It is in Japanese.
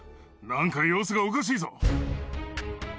なんか様子がおかしいぞ。